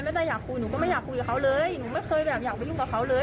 แล้วแต่อยากคุยหนูก็ไม่อยากคุยกับเขาเลยหนูไม่เคยแบบอยากไปยุ่งกับเขาเลย